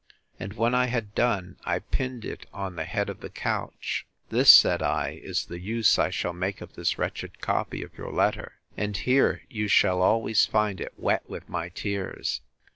And when I had done, I pinned it on the head of the couch: This, said I, is the use I shall make of this wretched copy of your letter; and here you shall always find it wet with my tears.